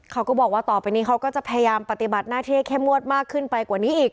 เขาก็บอกว่าต่อไปนี้เขาก็จะพยายามปฏิบัติหน้าที่ให้เข้มงวดมากขึ้นไปกว่านี้อีก